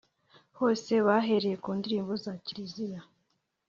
hose bahereye ku ndirimbo za kiliziya